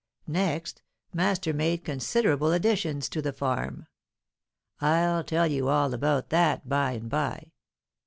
Next, master made considerable additions to the farm. I'll tell you all about that by and by.